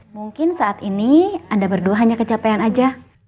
mungkin saat ini anda berdua hanya kecapean saja